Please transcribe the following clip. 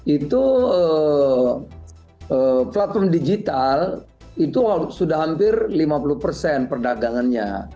itu platform digital itu sudah hampir lima puluh persen perdagangannya